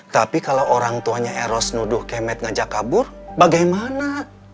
tapi kalau orang tuanya eros nuduh kemet ngajak kabur bagaimana